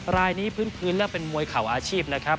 รายนี้พื้นและเป็นมวยเข่าอาชีพนะครับ